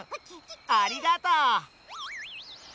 ありがとう！